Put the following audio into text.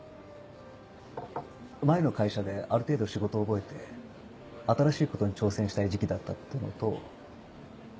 前の会社である程度仕事を覚えて新しいことに挑戦したい時期だったっていうのと。